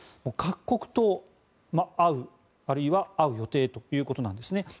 各国と会うあるいは会う予定だということなんですね。